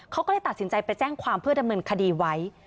เขาก็เลยตัดสินใจไปแจ้งความเพื่อดำเนินคดีไว้